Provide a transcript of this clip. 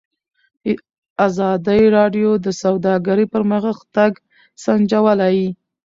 ازادي راډیو د سوداګري پرمختګ سنجولی.